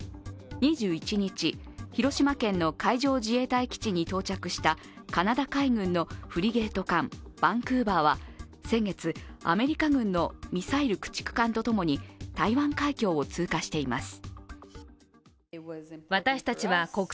２１日、広島県の海上自衛隊基地に到着したカナダ海軍のフリゲート艦「バンクーバー」は先月、先月、アメリカ軍のミサイル駆逐艦とともに台湾海峡を通過しています。